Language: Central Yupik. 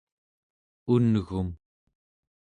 un'gum